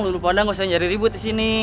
lo lupa udah gak usah nyari ribut di sini